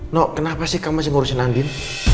no kenapa sih kamu masih ngurusin andin